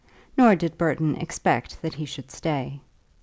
Nor did Burton expect that he should stay.